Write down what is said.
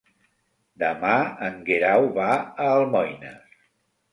Demà en Guerau va a Almoines.